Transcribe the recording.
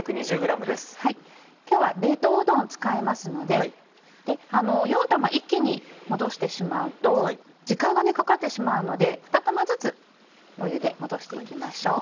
今日は冷凍うどんを使いますので４玉一気に戻してしまうと時間がかかってしまうので２玉ずつ湯で戻して行きましょう。